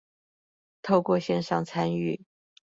透過線上參與